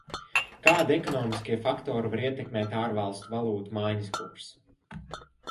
Kādi ekonomiskie faktori var ietekmēt ārvalstu valūtu maiņas kursu?